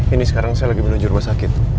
ini sekarang saya lagi menuju rumah sakit